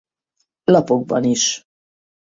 Lapokban is.